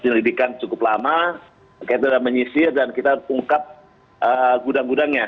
penyelidikan cukup lama kita menyisir dan kita ungkap gudang gudangnya